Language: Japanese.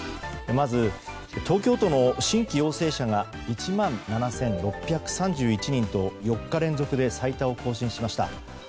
まず、東京都の新規陽性者が１万７６３１人と４日連続で最多を更新しました。